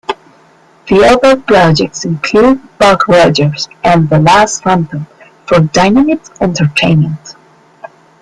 Other projects include "Buck Rogers" and The Last Phantom for Dynamite Entertainment.